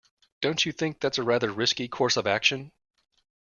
Don't you think that's a rather risky course of action?